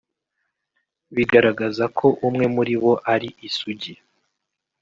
bigaragaza ko umwe muri bo ari isugi